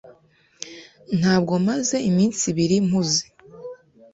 Ntabwo maze iminsi ibiri mpuze.